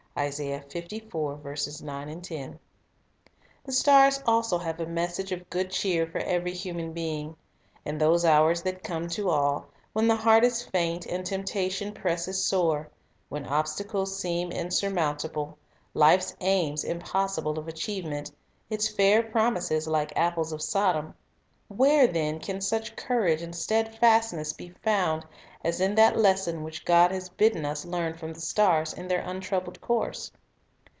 3 The stars also have a message of good cheer for The stan every human being. In those hours that come to all, when the heart is faint, and temptation presses sore ; when obstacles seem insurmountable, life's aims impos sible of achievement, its fair promises like apples of Sodom, where, then, can such courage and steadfastness be found as in that lesson which God has bidden us learn from the stars in their untroubled course?